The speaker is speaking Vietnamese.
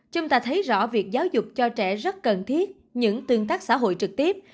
chúng ta thấy rõ việc giáo dục cho trẻ rất cần thiết những tương tác xã hội trực tiếp